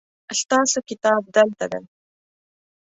ستاسو کتاب دلته دی